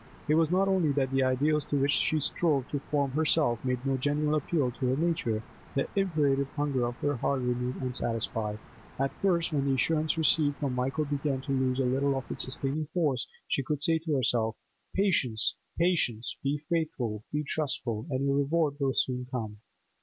It was not only that the ideals to which she strove to form herself made no genuine appeal to her nature; the imperative hunger of her heart remained unsatisfied. At first, when the assurance received from Michael began to lose a little of its sustaining force, she could say to herself, 'Patience, patience; be faithful, be trustful, and your reward will soon come.